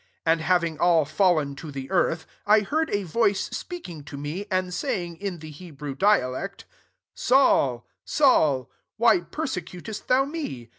14 And having all fallen to the earth, I heard a voice speaking to me, and saying in the Hebrew dialect, * Saul, Saul, why persecutest thou me?